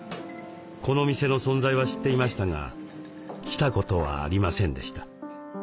この店の存在は知っていましたが来たことはありませんでした。